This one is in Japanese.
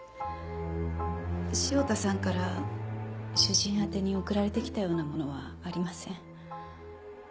汐田さんから主人宛てに送られてきたようなものはありません。